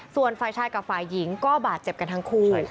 ส่วนฝ่ายชายกับฝ่ายหญิงก็บาดเจ็บกันทั้งคู่